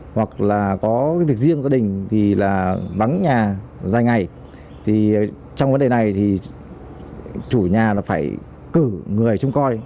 hoặc là có việc riêng gia đình thì là bắn nhà dài ngày trong vấn đề này thì chủ nhà phải cử người chung coi